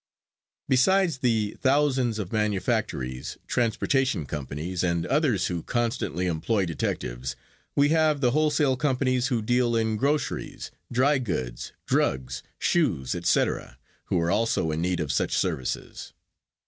Besides the thousands of manufactories, transportation companies and others who constantly employ detectives, we have the wholesale companies who deal in groceries, dry goods, drugs, shoes, etc., who also are in need of such services.